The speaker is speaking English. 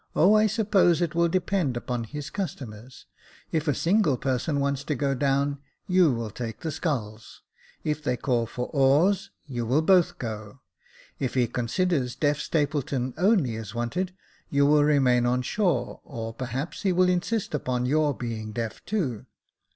*' O, I suppose it will depend upon his customers ; if a single person wants to go down, you will take the sculls ; if they call for oars, you will both go ; if he considers Deaf Stapleton only is wanted, you will remain oa Jacob Faithfiil 199 shore ; or, perhaps, he will insist upon your being deaf, too."